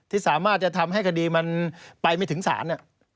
ที่สามารถจะทำให้คดีมันไปไม่ถึงศาล